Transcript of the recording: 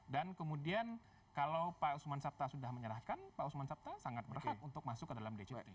dan kemudian kalau pak osuman sapta sudah menyerahkan pak osuman sapta sangat berhak untuk masuk ke dalam dcp